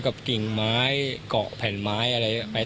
เขาก็ไม่อยากให้เกิดนะครับไม่คิด